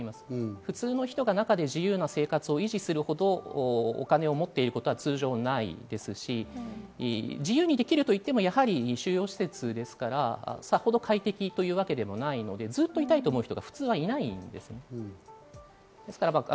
普通の人が中で自由に生活できるほどお金を思っていることは通常ないですし、自由にできるといっても収容施設ですから、さほど快適というわけでもないので、ずっといたいと思う人は普通いないです。